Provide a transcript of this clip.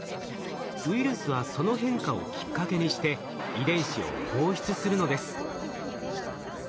ウイルスはその変化をきっかけにして遺伝子を放出するのです。